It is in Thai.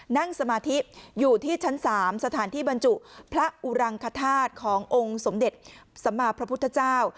นั่งสมาธิอยู่ที่ชั้น๓สถานที่บรรจุพระอุรังคธาตุขององค์สมเด็จสัมมาพระพุทธเจ้า